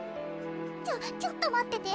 ちょちょっとまってて。